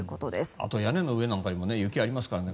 あと、屋根の上なんかにも雪がありますからね。